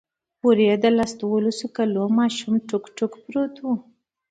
هورې د لس دولسو کالو ماشوم ټوک ټوک پروت و.